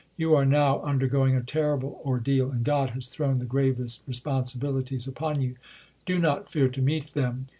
You are now under going a terrible ordeal, and God has thrown the gravest responsibilities upon you. Do not fear to meet them.